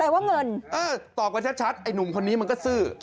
ว่าเงินเออตอบกันชัดไอ้หนุ่มคนนี้มันก็ซื่อ